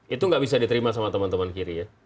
itu nggak bisa diterima sama teman teman kiri ya